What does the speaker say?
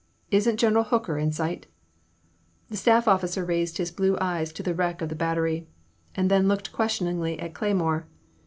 Is n't General Hooker in sight ?" The staff officer raised his blue eyes to the wreck of the battery, and then looked question ingly at Cleymore.